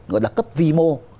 gọi là cấp vi mô